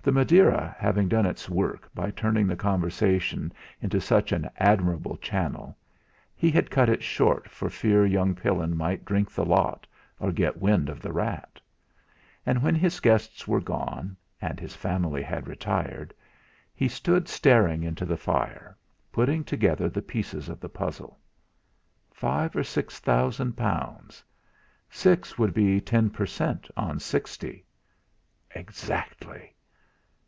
The Madeira having done its work by turning the conversation into such an admirable channel, he had cut it short for fear young Pillin might drink the lot or get wind of the rat. And when his guests were gone, and his family had retired, he stood staring into the fire, putting together the pieces of the puzzle. Five or six thousand pounds six would be ten per cent. on sixty! Exactly!